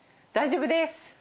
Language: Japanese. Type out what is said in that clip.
大丈夫です。